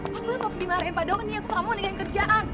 kamu kok pergi maherempah doang nih aku tak mau nih yang kerjaan